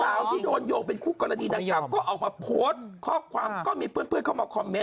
สาวที่โดนโยงเป็นคุกกรณีดังกล่าวก็เอามาข้อความก็มีเพื่อนเพื่อนเขามา